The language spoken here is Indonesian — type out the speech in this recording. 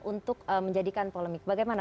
untuk menjadikan polemik bagaimana